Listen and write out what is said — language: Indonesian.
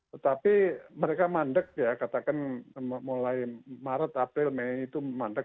tetapi mereka mandek ya katakan mulai maret april mei itu mandek